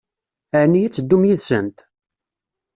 Ɛni ad teddum yid-sent?